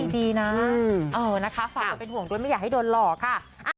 ฝากกับเป็นห่วงด้วยไม่อยากทดลองหล่อค่ะ